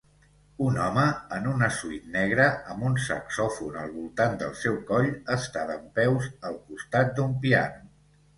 Un home en una Suite negra amb un saxòfon al voltant del seu coll està dempeus al costat d'un piano